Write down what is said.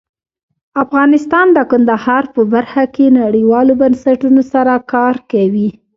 افغانستان د کندهار په برخه کې نړیوالو بنسټونو سره کار کوي.